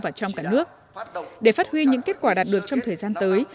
và trong cả nước để phát huy những kết quả đạt được trong thời gian tới